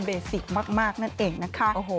เบซิกบรรดีมาก